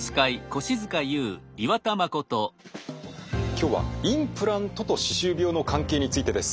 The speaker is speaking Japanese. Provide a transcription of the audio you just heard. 今日はインプラントと歯周病の関係についてです。